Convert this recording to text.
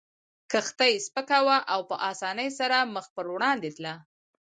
کښتۍ سپکه وه او په اسانۍ سره مخ پر وړاندې تله.